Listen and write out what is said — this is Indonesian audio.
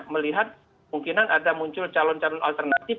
melihat mungkinan ada muncul calon calon alternatif